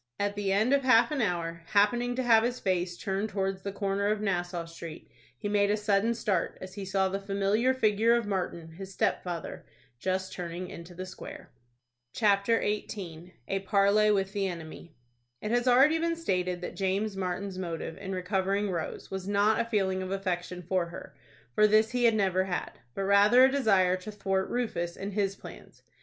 At the end of half an hour, happening to have his face turned towards the corner of Nassau Street, he made a sudden start as he saw the familiar figure of Martin, his stepfather, just turning into the Square. CHAPTER XVIII. A PARLEY WITH THE ENEMY. It has already been stated that James Martin's motive in recovering Rose was not a feeling of affection for her, for this he had never had, but rather a desire to thwart Rufus in his plans.